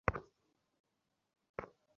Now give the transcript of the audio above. একই চিমটি, কোকিল।